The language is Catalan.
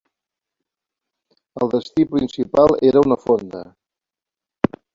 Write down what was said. El destí principal era una fonda.